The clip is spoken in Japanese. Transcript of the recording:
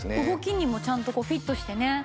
動きにもちゃんとフィットしてね。